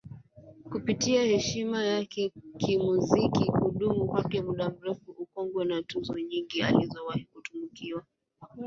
kupitia heshima yake kimuziki kudumu kwake muda mrefu ukongwe na tuzo nyingi alizowahi kutunukiwa